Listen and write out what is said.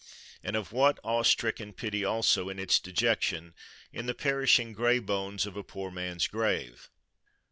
and of what awe stricken pity also, in its dejection, in the perishing gray bones of a poor man's grave!